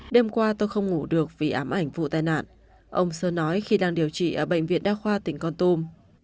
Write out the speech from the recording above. đêm qua tôi không ngủ được vì ám ảnh vụ tai nạn ông sơ nói khi đang điều trị ở bệnh viện đa khoa tỉnh con tum